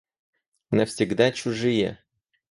Навсегда чужие!